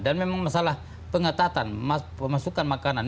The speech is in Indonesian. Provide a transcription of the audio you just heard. dan memang masalah pengetatan pemasukan makanan